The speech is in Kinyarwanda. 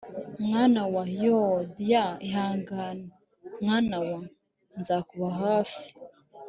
Mama wa YooooDiane ihangane mwanawa nzokuba hafi……